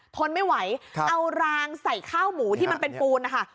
ทนไม่ไหวเอารางใส่ข้าวหมูที่มันเป็นปูนนะคะ